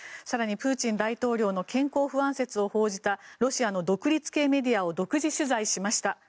更にプーチン大統領の健康不安説を報じたロシアの独立系メディアを独自取材しました。